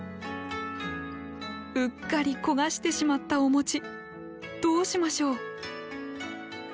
うっかり焦がしてしまったお餅どうしましょう